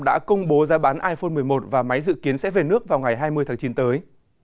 đã công bố giá bán iphone một mươi một và máy dự kiến sẽ về nước vào ngày hai mươi tháng chín tới